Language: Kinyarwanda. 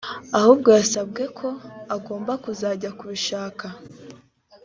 ahubwo yasabwe ko agomba kuzajya kubishaka